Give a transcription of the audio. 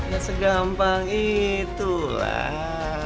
gak segampang itulah